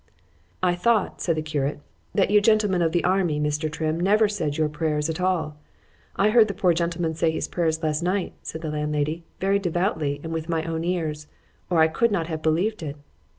—— I thought, said the curate, that you gentlemen of the army, Mr. Trim, never said your prayers at all.——I heard the poor gentleman say his prayers last night, said the landlady, very devoutly, and with my own ears, or I could not have believed it.